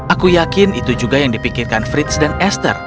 aku yakin itu juga yang dipikirkan frits dan esther